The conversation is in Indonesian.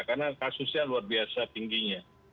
karena kasusnya luar biasa tingginya